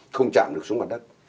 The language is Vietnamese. không chạm được xuống mặt đất